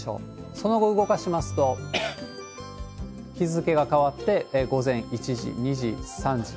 その後動かしますと、日付が変わって午前１時、２時、３時。